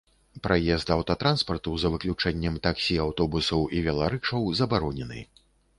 Праезд аўтатранспарту за выключэннем таксі, аўтобусаў і веларыкшаў забаронены.